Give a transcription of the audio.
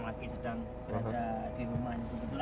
nah coba kita sambarin nah itu ada